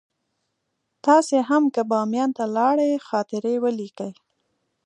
تاسې هم که باميان ته لاړئ خاطرې ولیکئ.